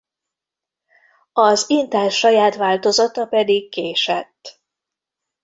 Az Intel saját változata pedig késett.